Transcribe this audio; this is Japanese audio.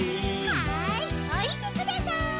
はいおりてください。